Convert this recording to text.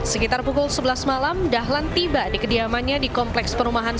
sekitar pukul sebelas malam dahlan tiba di kediamannya di kompleks perumahan